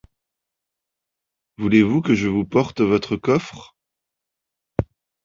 Voulez-vous que je vous porte votre coffre ?